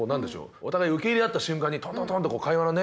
お互い受け入れ合った瞬間にトントントンって会話のね